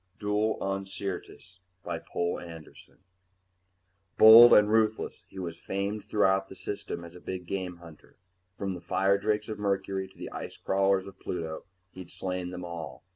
_] duel on SYRTIS by POUL ANDERSON Bold and ruthless, he was famed throughout the System as a big game hunter. From the firedrakes of Mercury to the ice crawlers of Pluto, he'd slain them all.